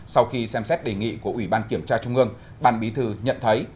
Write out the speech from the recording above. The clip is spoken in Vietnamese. sau khi xem xét đề nghị của ủy ban kiểm tra trung ương ban bí thư nhận thấy